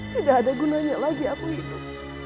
tidak ada gunanya lagi aku hidup